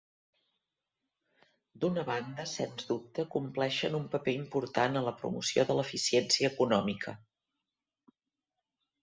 D'una banda, sens dubte compleixen un paper important a la promoció de l'eficiència econòmica.